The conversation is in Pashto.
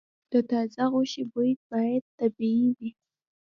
د تازه غوښې بوی باید طبیعي وي.